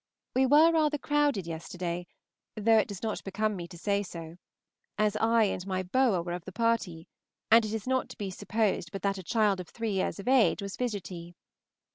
We were rather crowded yesterday, though it does not become me to say so, as I and my boa were of the party, and it is not to be supposed but that a child of three years of age was fidgety.